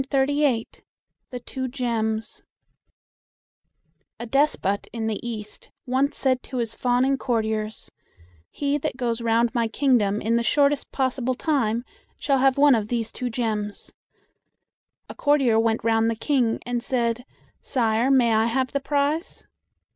THE TWO GEMS A despot in the East once said to his fawning courtiers, "He that goes round my kingdom in the shortest possible time shall have one of these two gems." A courtier went round the King, and said, "Sire, may I have the prize?"